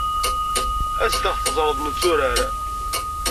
As-d ad aɣ-teẓreḍ netturar.